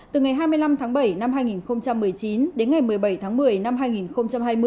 từ ngày hai mươi năm tháng bảy năm hai nghìn một mươi chín đến ngày một mươi bảy tháng một mươi năm hai nghìn hai mươi